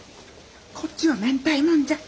こっちは明太もんじゃ。